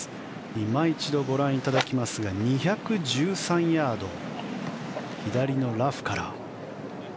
いま一度、ご覧いただきますが２１３ヤード左のラフから。